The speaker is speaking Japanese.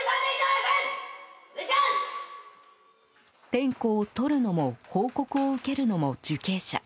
点呼をとるのも報告を受けるのも受刑者。